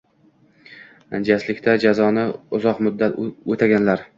Jaslikda jazoni uzoq muddat o'taganlar.